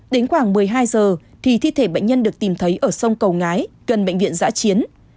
đến khoảng một mươi hai giờ thì thi thể bệnh nhân được tìm thấy ở sông cầu ngái gần bệnh viện giã chiến